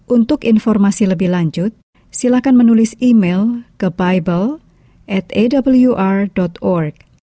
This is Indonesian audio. untuk informasi lebih lanjut silakan menulis email ke bible awr org